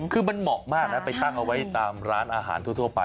คือมันเหมาะมากนะไปตั้งเอาไว้ตามร้านอาหารทั่วไป